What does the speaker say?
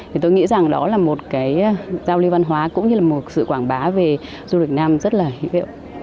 thì tôi nghĩ rằng đó là một cái giao lưu văn hóa cũng như là một sự quảng bá về du lịch nam rất là hữu hiệu